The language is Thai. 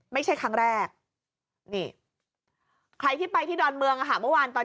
ไม่ใช่ครั้งแรกนี่ใครที่ไปที่ดอนเมืองเมื่อวานตอน